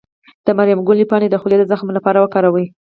د مریم ګلي پاڼې د خولې د زخم لپاره وکاروئ